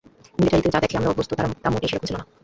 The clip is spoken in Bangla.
মিলিটারিতে যা দেখে আমরা অভ্যস্ত, তারা মোটেই সেরকম ছিল না।